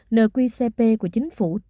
nqcp của chính phủ